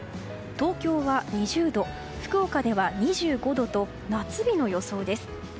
東京は２０度、福岡では２５度と夏日の予想です。